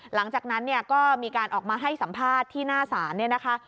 หลังจากนั้นเนี่ยก็มีการออกมาให้สัมภาษณ์ที่หน้าศาลเนี่ยนะคะ